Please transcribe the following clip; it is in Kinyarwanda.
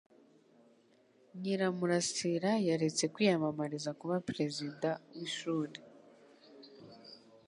Nyiramurasira yaretse kwiyamamariza kuba perezida w’ishuri